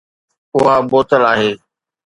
اها بوتل آهي